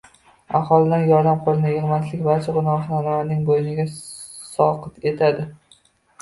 aholidan yordam qo’lini yig’maslik barcha gunohni Anvarning bo’ynidan soqit etadi.